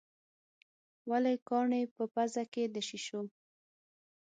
ولې کاڼي په پزه کې د شېشو.